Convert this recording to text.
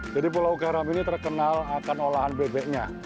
jadi pulau garam ini terkenal akan olahan bebeknya